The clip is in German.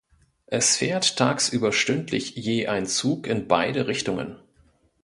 Es fährt tagsüber stündlich je ein Zug in beide Richtungen.